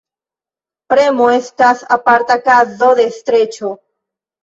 Premo estas aparta kazo de streĉo.